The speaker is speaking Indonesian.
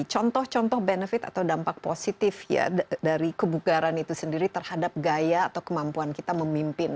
contoh contoh benefit atau dampak positif ya dari kebugaran itu sendiri terhadap gaya atau kemampuan kita memimpin